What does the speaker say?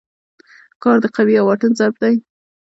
کار د قوې او واټن ضرب دی.